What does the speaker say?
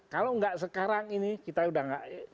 kalau nggak sekarang ini kita udah nggak